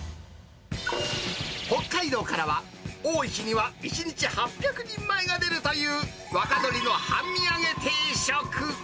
北海道からは、多い日には１日８００人前が出るという、若鶏の半身揚げ定食。